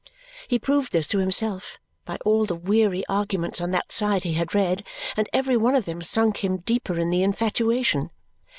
He proved this to himself by all the weary arguments on that side he had read, and every one of them sunk him deeper in the infatuation.